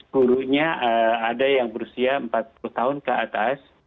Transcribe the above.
gurunya ada yang berusia empat puluh tahun ke atas